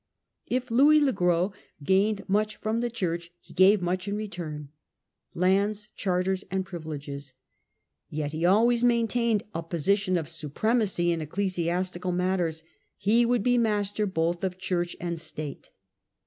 If Louis le Gros gained much from the Church, he gave much in return :— lands, charters and privileges. Yet he always maintained a position of supremacy in ecclesiastical matters : he would be master both of Church and State.